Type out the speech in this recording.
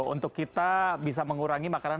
untuk kita bisa mengurangi makanan